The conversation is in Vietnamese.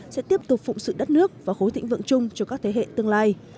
sẽ tiếp tục phụng sự đất nước và khối thịnh vượng chung cho các thế hệ tương lai